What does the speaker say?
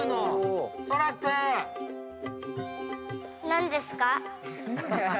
何ですか？